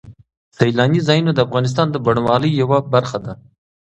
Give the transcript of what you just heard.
سیلاني ځایونه د افغانستان د بڼوالۍ یوه برخه ده.